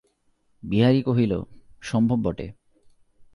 বিহারী কহিল, সম্ভব বটে।